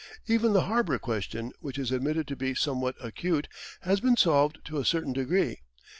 Even the harbour question, which is admitted to be somewhat acute, has been solved to a certain degree.